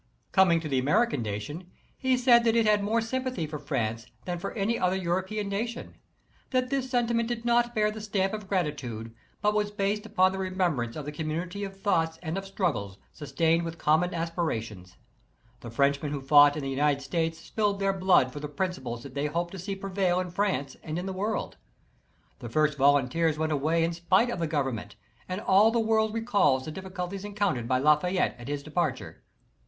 Coming to the American Nation, he said that it had more sympathy for France than for any other European nation; that this sentiment did not bear the stamp of gratitude, but was based upon the remembrance of the community of thoughts and of struggles, sustained with common aspirations. The Frenchmen who fought in the United States spilled their blood for the principles that they hoped to see prevail in France and in the world. The first volunteers went away in spite of the Govern ment, and all the world recalls the difficulties encountered by Lafayette at his departure.